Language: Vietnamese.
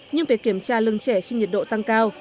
nhưng việc kiểm tra lưng trẻ khi nhiệt độ tăng cao